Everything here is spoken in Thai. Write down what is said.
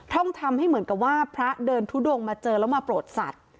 ต้องทำให้เหมือนกับว่าพระเดินทุดงมาเจอแล้วมาโปรดสัตว์